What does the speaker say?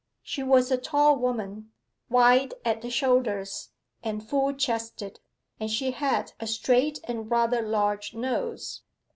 She was a tall woman, wide at the shoulders, and full chested, and she had a straight and rather large nose.